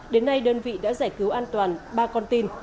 đến nay đơn vị đã giải cứu an toàn ba con tin